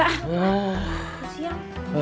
ya tuhan ya tuhan